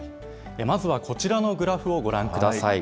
まずはこちらのグラフをご覧ください。